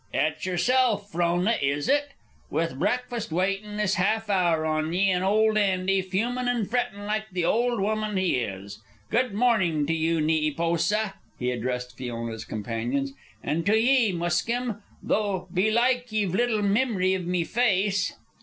"It's yerself, Frona, is it? With breakfast waitin' this half hour on ye, an' old Andy fumin' an' frettin' like the old woman he is. Good mornin' to ye, Neepoosa," he addressed Frona's companions, "an' to ye, Muskim, though, belike ye've little mimory iv me face."